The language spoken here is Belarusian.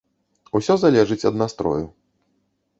Усё залежыць ад настрою.